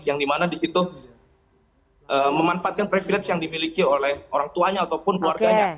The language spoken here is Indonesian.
yang dimana disitu memanfaatkan privilege yang dimiliki oleh orang tuanya ataupun keluarganya